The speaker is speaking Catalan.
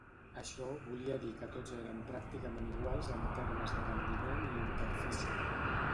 Això volia dir que tots eren pràcticament iguals en termes de rendiment i interfície.